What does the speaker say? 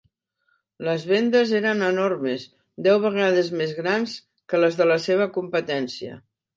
Les vendes eren enormes, deu vegades més grans que les de la seva competència.